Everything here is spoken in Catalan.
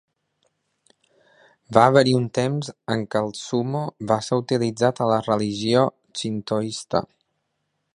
Va haver-hi un temps en què el sumo va ser utilitzat a la religió xintoista.